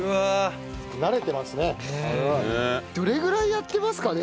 どれぐらいやってますかね？